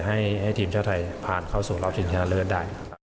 ให้ทีมชาวไทยผ่านเข้าสู่รอบทีมชาติเริ่มได้